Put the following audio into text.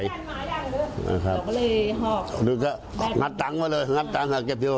อันนี้คืองัดตังค์มาเลยงัดตังค์เก็บเทียบสด